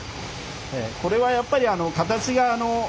これはやっぱり形が。